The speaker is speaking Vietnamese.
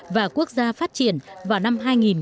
vào năm hai nghìn hai mươi một